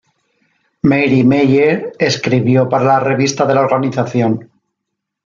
Mary Meyer escribió para la revista de la organización.